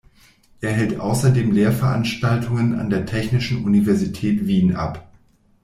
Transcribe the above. Er hält außerdem Lehrveranstaltungen an der Technischen Universität Wien ab.